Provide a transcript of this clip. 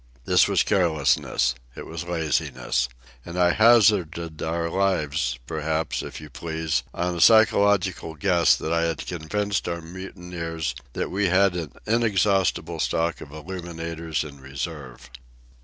This was carelessness. It was laziness. And I hazarded our lives, perhaps, if you please, on a psychological guess that I had convinced our mutineers that we had an inexhaustible stock of illuminators in reserve.